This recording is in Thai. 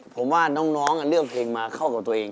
ผมว่าน้องเลือกเพลงมาเข้ากับตัวเอง